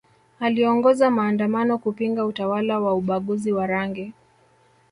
aliongoza maandamano kupinga utawala wa ubaguzi wa rangi